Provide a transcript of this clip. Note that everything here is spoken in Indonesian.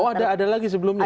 oh ada lagi sebelumnya